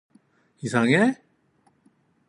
이상해?